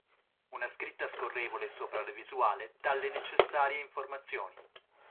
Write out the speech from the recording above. Una scritta scorrevole sopra la visuale dà le necessarie informazioni.